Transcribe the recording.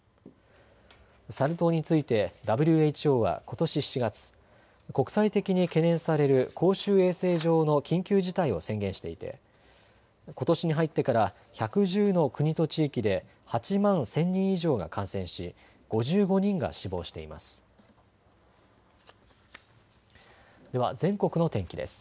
サル痘についてＷＨＯはことし７月、国際的に懸念される公衆衛生上の緊急事態を宣言していてことしに入ってから１１０の国と地域で８万１０００人以上が感染し５５人が死亡しています。